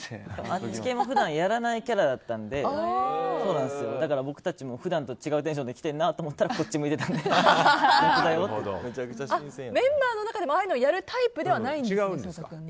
あっち系も普段やらないキャラだったのでだから、僕たちも普段と違うテンションで来てるなと思ったらメンバーの中でもああいうのをやるタイプじゃないんですか？